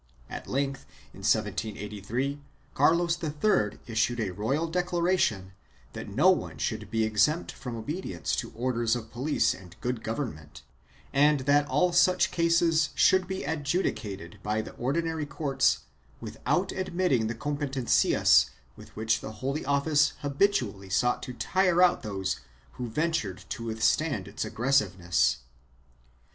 At length, in 1783, Carlos III issued a royal declaration that no one should be exempt from obedience to orders of police and good government and that all such cases should be adjudicated by the ordinary courts without admitting the competencias with which the Holy Office habitually sought to tire out those who ventured to withstand its aggressiveness.